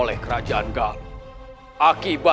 when berbuat kontroksi